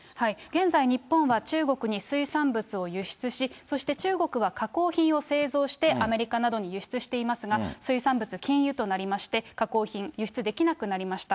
現在、日本は中国に水産物を輸出し、そして中国は加工品を製造してアメリカなどに輸出していますが、水産物禁輸となりまして、加工品、輸出できなくなりました。